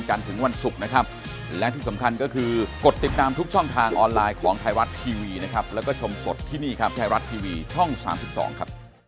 คุณวราวุฒินะครับ๒๘๑จบครับ๑๐๐ลำแล้วครับ